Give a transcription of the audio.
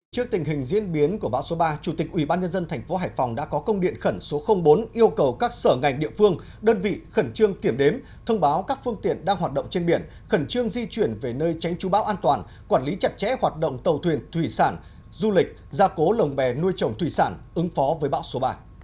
trước tình hình diễn biến của bão số ba chủ tịch ubnd tp hải phòng đã có công điện khẩn số bốn yêu cầu các sở ngành địa phương đơn vị khẩn trương kiểm đếm thông báo các phương tiện đang hoạt động trên biển khẩn trương di chuyển về nơi tránh chú bão an toàn quản lý chặt chẽ hoạt động tàu thuyền thủy sản du lịch gia cố lồng bè nuôi trồng thủy sản ứng phó với bão số ba